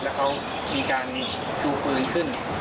แล้วเขามีการชูปืนขึ้น